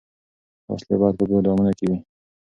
وسلې باید په ګودامونو کي وي.